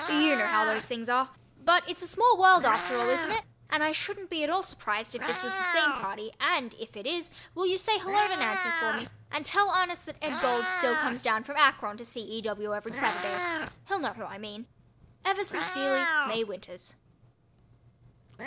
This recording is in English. You know how those things are. But it's a small world after all, isn't it? and I shouldn't be at all surprised if this was the same party and, if it is, will you say hello to Nancy for me, and tell Ernest that Ed. Gold still comes down from Akron to see E. W. every Saturday. He'll know who I mean. Ever sincerely, MAY WINTERS.